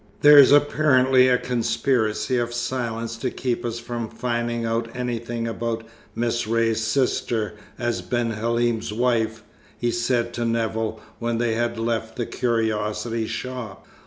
"There's apparently a conspiracy of silence to keep us from finding out anything about Miss Ray's sister as Ben Halim's wife," he said to Nevill when they had left the curiosity shop.